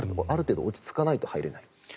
ある程度落ち着かないと入れない。